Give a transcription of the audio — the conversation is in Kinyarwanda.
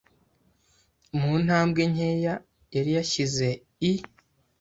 mu ntambwe nkeya yari yashyize i